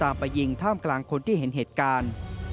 ไปยิงท่ามกลางคนที่เห็นเหตุการณ์